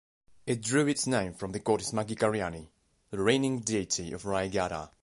It drew its name from the Goddess Maghighariani, the reigning deity of Rayagada.